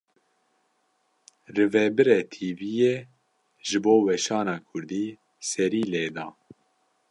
Rivebirê tv yê, ji bo weşana Kurdî serî lê da